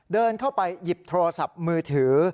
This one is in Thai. เดินเข้าไปหยิบโทรศัพท์มือถือ